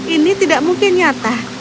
ini tidak mungkin nyata